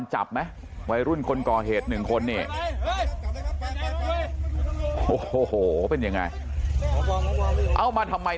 เฮ้ยวิ่งมาทำไม